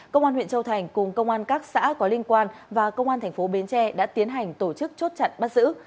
các xã có liên quan và công an tp bến tre đã tiến hành tổ chức chốt chặn bắt giữ